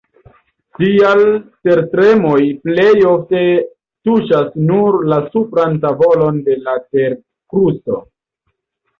Tial tertremoj plej ofte tuŝas nur la superan tavolon de la terkrusto.